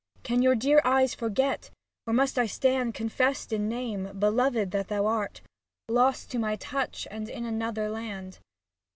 Can your dear eyes forget, or must I stand Confessed in name, beloved that thou art, Lost to my touch and in another land.